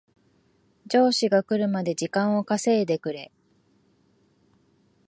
上司が来るまで時間を稼いでくれ